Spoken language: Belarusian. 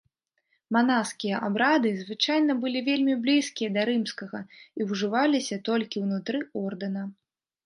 Манаскія абрады звычайна былі вельмі блізкія да рымскага і ўжываліся толькі ўнутры ордэна.